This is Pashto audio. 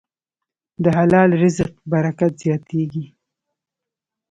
د حلال رزق برکت زیاتېږي.